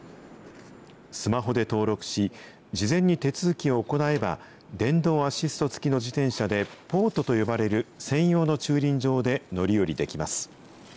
スマホで登録し、事前に手続きを行えば、電動アシスト付きの自転車でポートと呼ばれる専用の駐輪場で乗り降りできます。